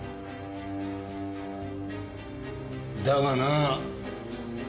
だがなぁ